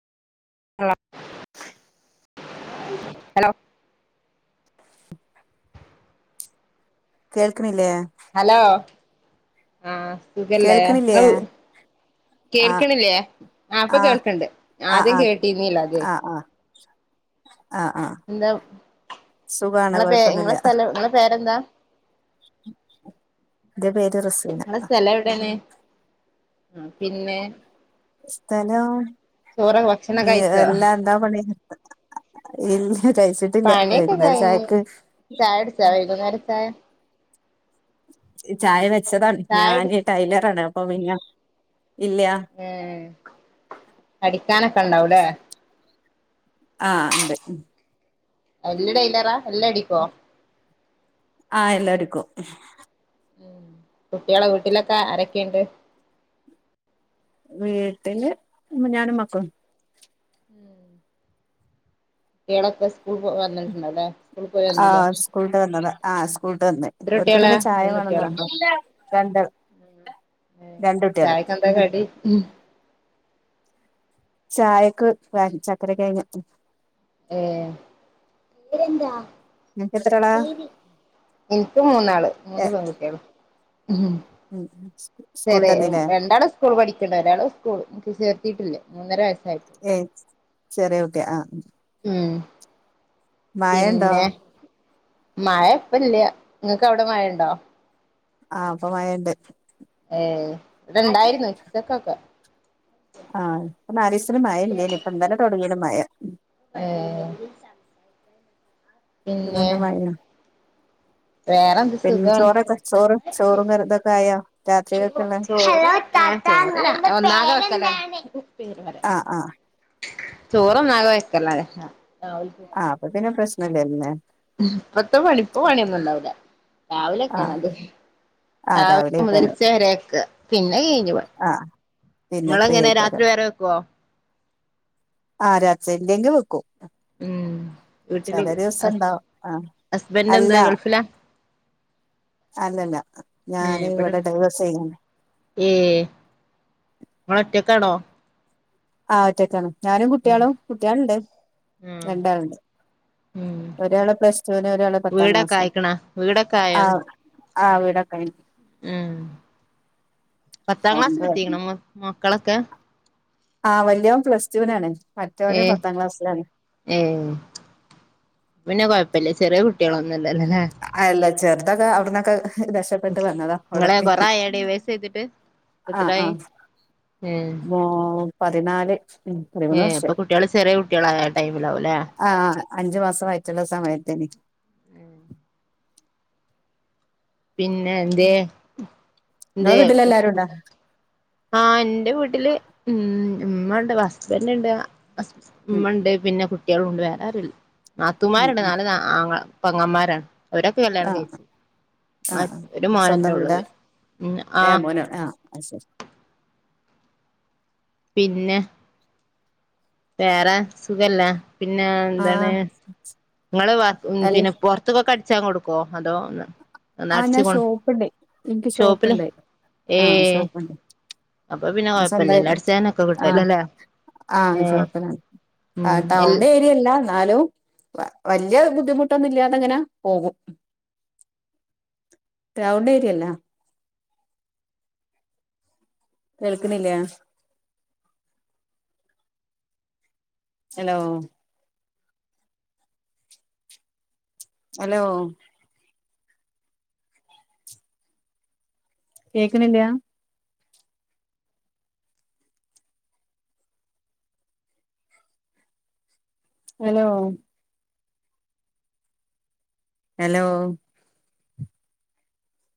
Hello [inaudible] കേൾക്ക്ണില്ലേ hello ആഹ് സുഖല്ലേ കേൾക്കണില്ലേ ങ്ങള് ആഹ് കേൾക്കണില്ലേ ആഹ് ഇപ്പം കേൾക്ക്ണ്ട് ആഹ് ആദ്യം ആഹ് കേട്ടീർന്നില്ല അതെ ആഹ് ആഹ് ആഹ് ആഹ് എന്താ സുഖാണ് ഇങ്ങളെ പേ കൊഴപ്പൊന്നുല്ല ഇങ്ങളെ സ്ഥലം ഇങ്ങളെ പേരെന്താ എന്റെ പേര് റസീന നിങ്ങടെ സ്ഥലവിടെയാണ് ആഹ് പിന്നെ സ്ഥലം ചോറ് ഭക്ഷണം പിന്നെ കഴിച്ചോ അല്ലാന്ന് എന്താ പണി ഇല്ല കഴിച്ചിട്ടില്ല വൈകുന്നേരം ചായക്ക് ചായകുടിച്ച വൈകുന്നേരചായ ഈ ചായ വെച്ചതാണ് ചായ ഞാന് കുടിച്ച് ടൈലറാണ് അപ്പം പിന്ന ഇല്ല്യാ ഏഹ് അടിക്കാനൊക്കെ ഉണ്ടാവുംലെ ആഹ് ഇണ്ട് എല്ലാ ടൈലറ എല്ലം അടിക്കോ ആഹ് എല്ലടിക്കും കുട്ട്യാള് വീട്ടിലൊക്കെ ആരൊക്കെണ്ട് വീട്ടില് ഞാനും മക്കളും ഉം കുട്ട്യേളൊക്കെ സ്കൂൾ പോ വന്നിട്ടുണ്ടാവും ല്ലേ സ്കൂളിൽ പോയി വന്നീല്ലേ സ്കൂൾട്ട് വന്ന്ണ് ആഹ് സ്കൂൾട്ട് വന്ന് എത്ര ഓൽക്ക് കുട്ടികളാ പിന്നെ ചായ മാണം നിർബന്ധം രണ്ട് ഉം ഏ രണ്ട് കുട്ടികള് ചായക്കെന്താ കടി? ചായക്ക് ചക്കരക്കെഴങ്ങ്. ഏ നിനക്ക് എത്ര ആളാ ഇൻക്ക് മൂന്നാള് മൂന്ന് പെങ്കുട്ടേള്. ഉം ചെറ്യെ സ്കൂളിട്ടന്നില്ലേ രണ്ടാള് സ്കൂൾ പഠിക്ക്ണ്ട് ഒരാള് സ്കൂൾക്ക് ചേർത്തിട്ടില്ല മൂന്നര വയസ്സായി. ഏയ് ചെറ്യെ കുട്ട്യാ ആഹ്. ഉം മഴണ്ടോ പിന്നെ. മഴ ഇപ്പ ഇല്ല്യ ഇങ്ങക്ക് അവടെ മഴണ്ടോ? ആഹ് പ്പൊ മയണ്ട്. ഏ ഇവടെണ്ടായിരുന്നു ഉച്ചക്കൊക്കെ. ആഹ് ഇപ്പം നാലീസ്തിന് മയ ഇല്ലേനി ഇപ്പൊ ഇന്നലെ തൊടങ്ങീന് മയ. ഏ ഇപ്പം പിന്നെ നല്ല മഴയാ. വേറെന്ത് പിന്നെ സുഖാണ് ചോറൊക്കെ ചോറ്, ചോറും കറിം തൊക്കെ ആയോ രാത്രി ക്കെക്ക്ള്ള. ചോറ് ആഹ് ചോറ് ഒന്നാകെ വെക്കലാ. ആഹ്, ആഹ് ചോറും ന്നാകെ വെക്കലാ ഓൽക്ക്. ആഹ് അപ്പൊ പിന്നെ പ്രശ്നല്ലൂന്നെ. ഇപ്പത്തെ പണി ഇപ്പ പണിയൊന്നുംണ്ടാവൂല്ല രാവിലെ ആ ഒക്കെയാണ് അത്. ആ രാവിലെ രാവിലെയ്ക്കാരം മുതലച്ചേ വരാക്ക പിന്നെ ല്യേ പണി ആ പിന്നെ ഫ്രീ ഇങ്ങളെങ്ങനെ രാത്രി ആയിക്കാരം വേറെ വെക്കുവോ? ആ രാച്ച ഇല്ലെങ്കി വെക്കും. ഉം ചെല വീട്ടിലൂടും ദിവസം ഹസ്, ഇണ്ടാവും ആ ഹസ്ബന്റ് അല്ല എന്താ ഗൾഫിലാ. അല്ലല്ല ഞാന് ഇവിടെ ഡൈവോഴ്‌സ് കഴിഞ്ഞ്. ഏഹ് ങ്ങളൊറ്റക്കാണോ? ആഹ് ഒറ്റക്കാണ് ഞാനും ഉം കുട്ട്യാളും കുട്ട്യാളുണ്ട് ഉം രണ്ടാളുണ്ട്. ഉം ഒരാള് പ്ലസ് റ്റുവിലും, ഒരാള് പത്താം വീടൊക്കെ ക്ലാസും ആയിക്കണാ വീടൊക്കെ ആയോന്ന് ആഹ്. ചോദിച്ചെ. ആ വീടൊക്കായി. ഉം പത്താം സൗണ്ട് ക്ലാസ്സിലെത്തീക്കണോ മക് മക്കളൊക്കെ. ആഹ് വല്യോൻ പ്ലസ് ടൂനാണ് മറ്റോ ന് പത്താം ക്ലാസ്സിലാണ്. ഏഹ് അപ്പോ പിന്നെ കൊഴപ്പല്ല ചെറിയ കുട്ട്യാളൊന്നുംല്ലല്ലോല്ലേ. അല്ല ചെറുതൊക്കെ അവിടന്നൊക്കെ രക്ഷപ്പെട്ട് വന്നതാ നിങ്ങളെ അവിടെത്തി കൊറേ ആയോ ഡിവോഴ്സ് ചെയ്തിട്ട് ആഹ്, എത്രായി ആഹ് ഏഹ് മോ പതിനാല്, പതിമൂന്ന് വർഷായി. കുട്ട്യാള് ചെറിയ കുട്ട്യാളായ ടൈമിലാവുംല്ലേ. ആഹ് അഞ്ചു മാസം വയറ്റിള്ള സമയത്തേന്. പിന്നെ എന്ത്യെ നിങ്ങളെ എന്തേ വീട്ടിലെല്ലാരും ഉണ്ടോ ആഹ് ഇന്റെ വീട്ടില് ഉം ഉമ്മണ്ട് ഹസ്ബന്റ്ണ്ട് ഹ ഉം ഉമ്മ ഉണ്ട് പിന്നെ കുട്ട്യാളും ഉണ്ട്. വേറെ ആരുല്ല ഉം നാത്തൂമാരുണ്ട് ഉം നാല് ആങ്ങള പെങ്ങമാരാണ്. അവരൊക്കെ കല്യാണം ആഹ് കഴിച്ചു. ആഹ് മര് ആഹ് ഒരു മോനന്നെ സ്വന്തം ഉള്ളൂ വര് ഉം ആഹ് അയ്സെരി. പിന്നെ വേറെ സുഖല്ലേ പിന്നെ ആഹ് എന്താണ്. ങ്ങള് ഉം അൽ പിന്നെ പൊറത്ത്ക്കൊക്കെ അടിച്ചാൻ കൊടുക്കോ അതോ ആഹ് ഒന്നടിച്ച് ഞാൻ കൊണ്ട് ഷോപ്പ്ണ്ട് ഇൻക്ക് ഷോപ്പിലും ഷോപ്പ്ണ്ട് ആഹ് ഏയ്. ഷോപ്പ്ണ്ട് അപ്പൊ പിന്നെ സ്വന്തായി കുഴപ്പല്ലല്ലോ അട്ച്ചാനൊക്കെ കിട്ടോല്ലോ ല്ലേ? ആഹ് ഷോപ്പലാണ് ഉം ആഹ് എൽ ടൗൺ ഏരിയല്ല. ന്നാലും വലിയ ബുദ്ധിമുട്ടൊന്നും ഇല്ലാതങ്ങനെ പോകും. ടൗൺ ഏരിയല്ലാ. കേൾക്ക്ണില്ലേ? ഹലോ. ഹലോ. കേക്ക്‌ണില്ലാ? ഹലോ. ഹലോ.